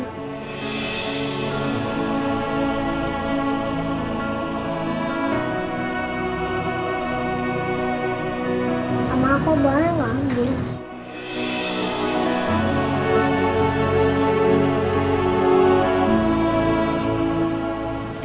mama aku buahnya gak ambil